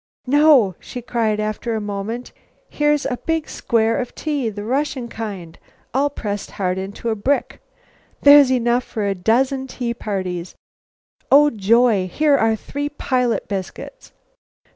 No," she cried, after a moment, "here's a big square of tea the Russian kind, all pressed hard into a brick. There's enough for a dozen tea parties. Oh, joy! here are three pilot biscuits!"